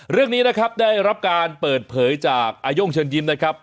เรื่องนี้นะครับได้รับการเปิดเผยจากอาโย่งเชิญยิ้มนะครับ